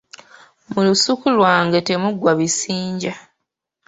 Mu lusuku lwange temuggwa bisinja.